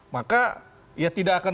maka ya tidak akan